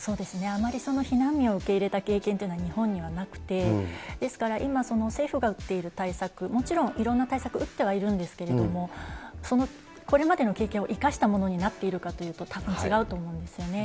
あまりその避難民を受け入れた経験というのは、日本にはなくて、ですから、今、政府が打っている対策、もちろんいろんな対策、打ってはいるんですけれども、これまでの経験を生かしたものになっているかというと、たぶん、違うと思うんですよね。